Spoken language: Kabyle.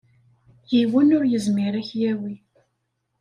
Yiwen ur yezmir ad k-yawi.